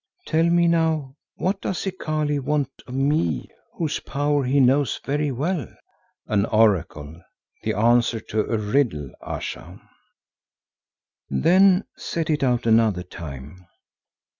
Tell me now, what does Zikali want of me whose power he knows very well?" "An oracle, the answer to a riddle, Ayesha." "Then set it out another time.